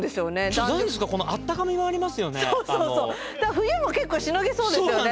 冬も結構しのげそうですよね。